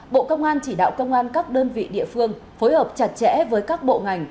bộ công an chỉ đạo công an các đơn vị địa phương phối hợp chặt chẽ với các bộ ngành